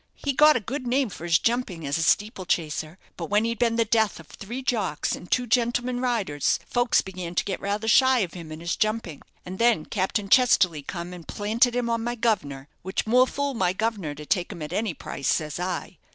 He got a good name for his jumping as a steeple chaser; but when he'd been the death of three jocks and two gentlemen riders, folks began to get rather shy of him and his jumping; and then Captain Chesterly come and planted him on my guv'nor, which more fool my governor to take him at any price, says I.